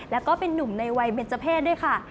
แล้วก็เป็นนุ่มในวัยเบนเจอร์เพศด้วยค่ะ